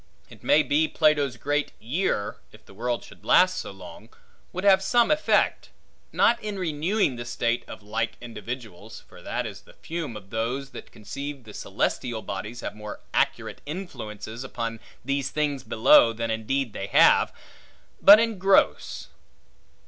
It may be, Plato's great year, if the world should last so long, would have some effect; not in renewing the state of like individuals (for that is the fume of those, that conceive the celestial bodies have more accurate influences upon these things below, than indeed they have), but in gross.